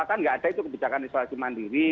kan nggak ada itu kebijakan isolasi mandiri